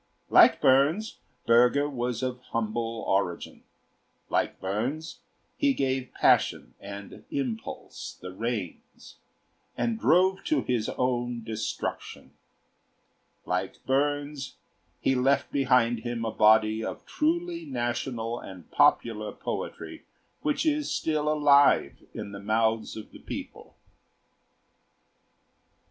Like Burns, Bürger was of humble origin; like Burns, he gave passion and impulse the reins and drove to his own destruction; like Burns, he left behind him a body of truly national and popular poetry which is still alive in the mouths of the people.